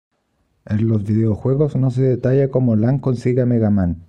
En los videojuegos, no se detalla como Lan consigue a MegaMan.